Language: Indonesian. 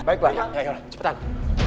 baiklah ayo cepetan